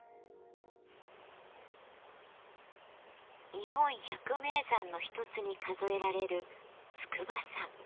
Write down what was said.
日本百名山の一つに数えられる筑波山。